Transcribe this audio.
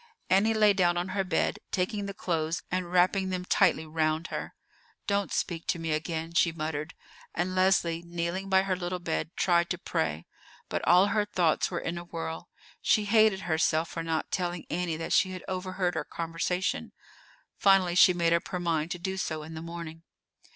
Annie lay down on her bed, taking the clothes and wrapping them tightly round her. "Don't speak to me again," she muttered; and Leslie, kneeling by her little bed, tried to pray. But all her thoughts were in a whirl. She hated herself for not telling Annie that she had overheard her conversation. Finally, she made up her mind to do so in the morning.